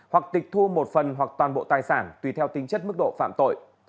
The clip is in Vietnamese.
hoặc tịch thu một phần hoặc toàn bộ tài sản tùy theo tính chất mức độ phạm tội